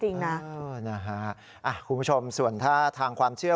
จริงนะคุณผู้ชมส่วนถ้าทางความเชื่อ